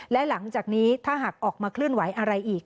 และหลังจากนี้ถ้าหากออกมาเคลื่อนไหวอะไรอีก